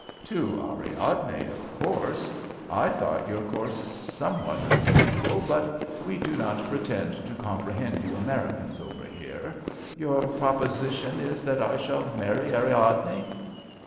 "To Ariadne, of course. I thought your course somewhat unusual, but we do not pretend to comprehend you Americans over here. Your proposition is that I shall marry Ariadne?"